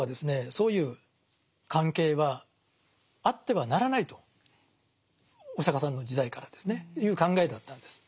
そういう関係はあってはならないとお釈迦さんの時代からですねいう考えだったんです。